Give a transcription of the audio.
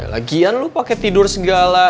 lagian lu pakai tidur segala